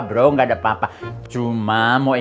berarti berarti berarti